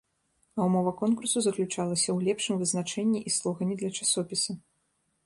А ўмова конкурсу заключалася ў лепшым вызначэнні і слогане для часопіса.